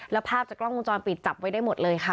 แล้วภาพจากกล้องวงจรปิดจับไว้ได้หมดเลยค่ะ